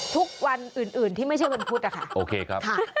ทุกวันอื่นที่ไม่ใช่วันพุธนะคะโอเคครับ